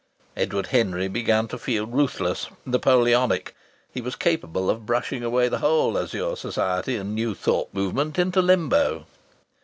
Edward Henry began to feel ruthless, Napoleonic. He was capable of brushing away the whole Azure Society and New Thought movement into limbo.